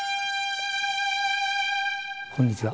こんにちは。